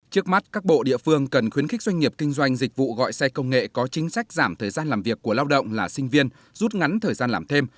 trước mắt các bộ địa phương cần khuyến khích doanh nghiệp kinh doanh dịch vụ gọi xe công nghệ có chính sách giảm thời gian làm việc của lao động là sinh viên rút ngắn thời gian làm thêm